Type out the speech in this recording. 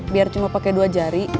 biar cuma pakai dua jari